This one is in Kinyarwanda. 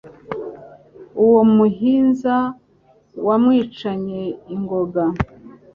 Uwo muhinza wamwicanye ingoga